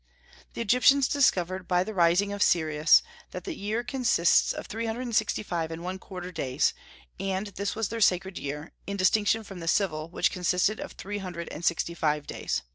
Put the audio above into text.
The Egyptians discovered by the rising of Sirius that the year consists of three hundred and sixty five and one quarter days; and this was their sacred year, in distinction from the civil, which consisted of three hundred and sixty five days.